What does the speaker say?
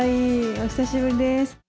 お久しぶりです。